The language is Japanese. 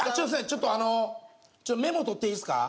ちょっとあのメモ取っていいですか？